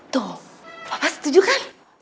tuh papa setuju kan